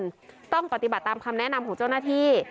ต้องปฏิบัติตามคำแนะนำของเจ้าหน้าที่